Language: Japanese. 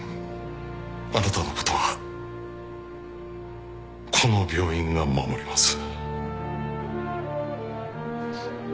あなたのことはこの病院が守ります。